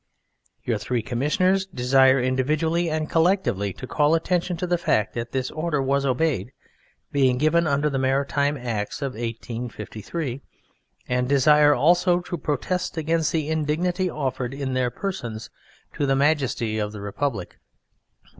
Your three Commissioners desire individually and collectively to call attention to the fact that this order was obeyed, being given under the Maritime Acts of 1853, and desire also to protest against the indignity offered in their persons to the majesty of the Republic.